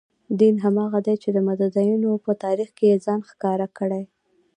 دین هماغه دی چې د متدینو په تاریخ کې یې ځان ښکاره کړی.